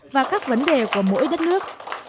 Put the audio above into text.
và các vấn đề của mỗi đất nước